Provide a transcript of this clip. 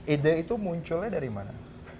ide itu munculnya dari mana